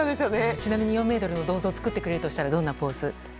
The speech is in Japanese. ちなみに４ｍの銅像作ってくれるとしたらどんなポーズで？